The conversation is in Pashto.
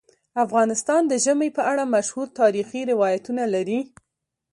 افغانستان د ژمی په اړه مشهور تاریخی روایتونه لري.